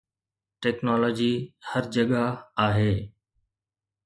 technology هر جڳهه آهي